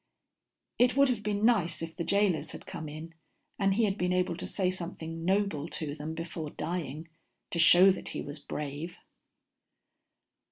It would have been nice if the jailers had come in and he had been able to say something noble to them before dying, to show that he was brave.